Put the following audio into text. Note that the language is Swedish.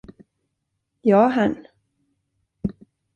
Ja, herrn.